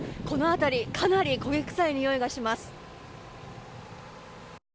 この辺りかなり焦げ臭いにおいがします。